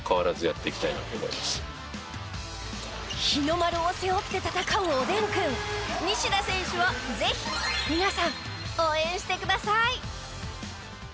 日の丸を背負って戦うおでんくん西田選手をぜひ皆さん応援してください。